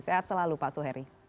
sehat selalu pak suheri